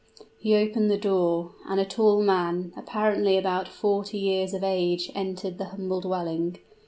He opened the door; and a tall man, apparently about forty years of age, entered the humble dwelling.